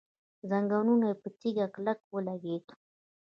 زنګون يې په تيږه کلک ولګېد.